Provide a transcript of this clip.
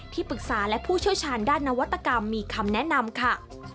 ปรึกษาและผู้เชี่ยวชาญด้านนวัตกรรมมีคำแนะนำค่ะ